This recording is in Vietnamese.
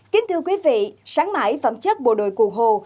kính thưa quý vị sáng mãi phẩm chất bộ đội cụ hồ